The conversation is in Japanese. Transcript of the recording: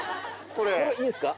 これいいんすか？